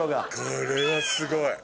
これはすごい。